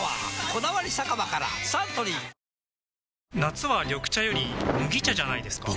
「こだわり酒場」からサントリー夏は緑茶より麦茶じゃないですか？